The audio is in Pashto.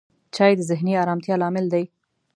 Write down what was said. چای د ذهني آرامتیا لامل دی